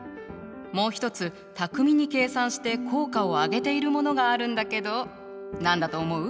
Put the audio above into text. もう一つ巧みに計算して効果を上げているものがあるんだけど何だと思う？